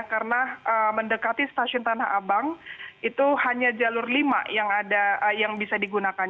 karena mendekati stasiun tanah abang itu hanya jalur lima yang bisa digunakan